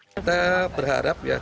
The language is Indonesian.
kita berharap ya